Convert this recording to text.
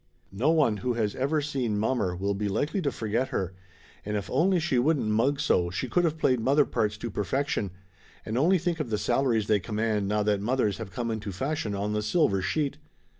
No one who has ever seen mommer will be likely to forget her, and if only she wouldn't mug so she could of played mother parts to perfection, and only think of the salaries they command now that mothers have come into fashion on the silversheet